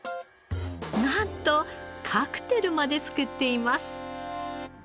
なんとカクテルまで作っています。